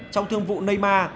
trong thương vụ neymar